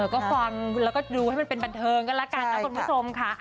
ก็ฟังแล้วก็ดูให้มันเป็นบันเทิงกันแล้วกันนะคุณผู้ชมค่ะ